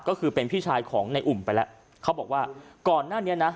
ก็คือเป็นพี่ชายของในอุ่มไปแล้วเขาบอกว่าก่อนหน้านี้นะ